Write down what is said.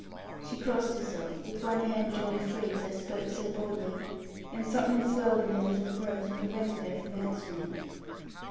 She crossed herself, with one hand drawn free as I spoke so boldly; and something swelled in her little throat, and prevented her from answering.